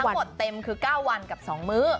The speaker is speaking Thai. หมดเต็มคือ๙วันกับ๒มื้อ